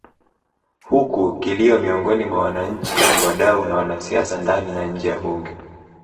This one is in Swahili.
Huku kilio miongoni mwa wananchi wadau na wanasiasa ndani na nje ya Bunge